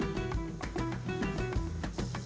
jangan lupa menikmati campus filipina ini